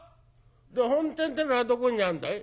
「本店ってのはどこにあんだい？」。